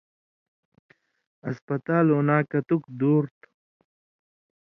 اَسپتال اُناں کتِیُوک دُور تُھو؟